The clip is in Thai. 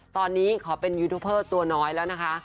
ตอนนี้ขอเป็นยูทูเพอร์ตัวน้อยแล้วนะคะ